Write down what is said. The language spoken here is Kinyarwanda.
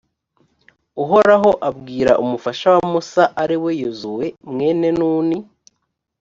uhoraho abwira umufasha wa musa, ari we yozuwe mwene nuni.